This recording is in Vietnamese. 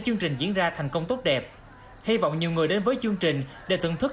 chương trình diễn ra thành công tốt đẹp hy vọng nhiều người đến với chương trình để thưởng thức